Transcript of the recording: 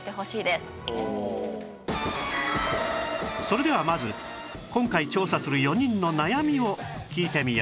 それではまず今回調査する４人の悩みを聞いてみよう